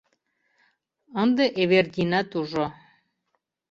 — ынде Эвердинат ужо.